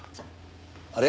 あれ？